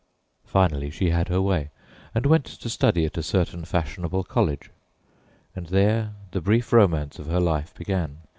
Finally she had her way, and went to study at a certain fashionable college; and there the brief romance of her life began.